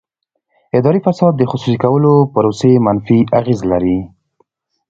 اداري فساد د خصوصي کولو پروسې منفي اغېز لري.